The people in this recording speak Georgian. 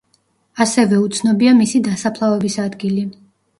ასევე უცნობია მისი დასაფლავების ადგილი.